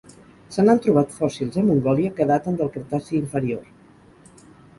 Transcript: Se n'han trobat fòssils a Mongòlia que daten del Cretaci inferior.